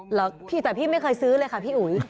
เหรอพี่แต่พี่ไม่เคยซื้อเลยค่ะพี่อุ๋ย